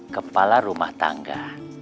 kepala rumah tangga